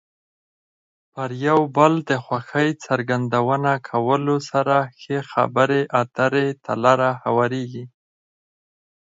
پر یو بل د خوښۍ څرګندونه کولو سره ښې خبرې اترې ته لار هوارېږي.